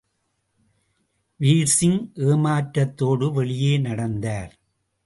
வீர்சிங் ஏமாற்றத்தோடு வெளியே நடந்தார்.